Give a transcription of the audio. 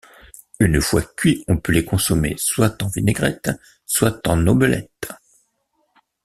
Une fois cuits on peut les consommer soit en vinaigrette soit en omelette.